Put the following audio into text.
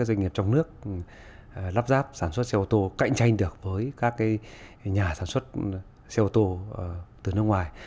doanh nghiệp trong nước lắp ráp sản xuất xe ô tô cạnh tranh được với các nhà sản xuất xe ô tô từ nước ngoài